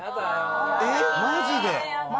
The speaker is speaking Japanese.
えっマジで？